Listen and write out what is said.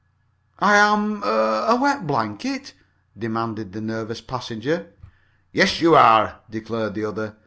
"I am er a wet blanket?" demanded the nervous passenger. "Yes, you are!" declared the other.